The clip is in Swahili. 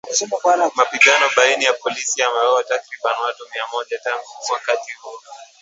Mapigano baina ya polisi yameuwa takribani watu mia moja tangu wakati huo